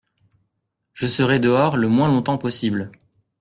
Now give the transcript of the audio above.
Je serai dehors le moins longtemps possible.